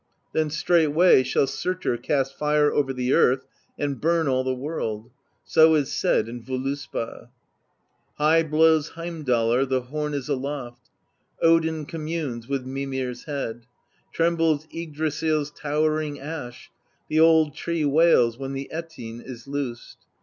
Then straightway shall Surtr cast fire over the earth and burn all the world; so is said in Voluspa: High blows Heimdallr, the horn is aloft; Odin communes with Mimir's head; Trembles Yggdrasill's towering Ash , The old tree wails when the Ettin is loosed.